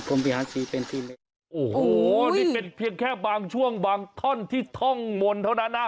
โอ้โหนี่เป็นเพียงแค่บางช่วงบางท่อนที่ท่องมนต์เท่านั้นนะ